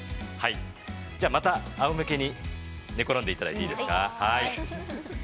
じゃあまたあおむけに寝転んでいただいていいですか。